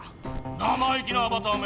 生意気なアバターめ！